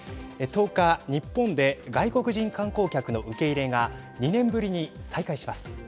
１０日、日本で外国人観光客の受け入れが２年ぶりに再開します。